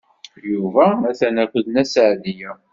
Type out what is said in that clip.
Yuba atan akked Nna Seɛdiya.